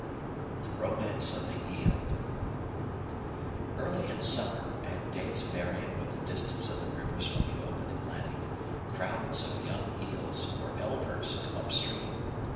The Romance of the Eel Early in summer, at dates varying with the distance of the rivers from the open Atlantic, crowds of young eels or elvers come up stream.